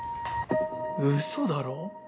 うそだろ！？